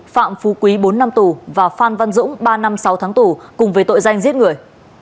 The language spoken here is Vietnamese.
phạm phú quý bốn năm tù và phan văn dũng ba năm sáu tháng tù cùng với tội danh giết người